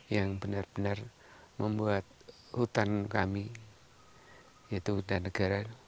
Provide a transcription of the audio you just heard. yang benar benar membuat hutan kami itu hutan negara